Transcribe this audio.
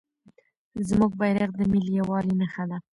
زموږ بیرغ د ملي یووالي نښه ده.